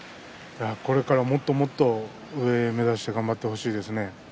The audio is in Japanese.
これからもっともっと上を目指して頑張ってほしいですね。